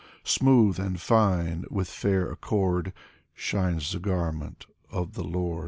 Smooth and fine with fair accord — Shines the garment of the Lord